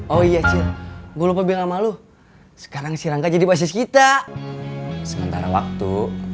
oh iya gue lupa bilang sama lu sekarang sirang jadi pasis kita sementara waktu